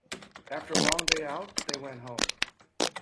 After a long day out, they went home.